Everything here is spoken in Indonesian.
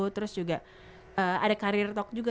terus juga ada career talk juga